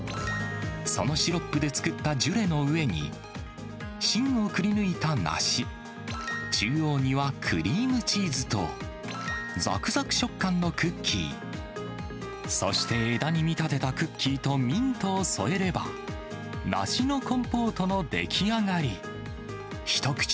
そのシロップで作ったジュレの上に、芯をくりぬいた梨、中央にはクリームチーズと、ざくざく食感のクッキー、そして、枝に見立てたクッキーとミントを添えれば、梨のコンポートの出来上がり。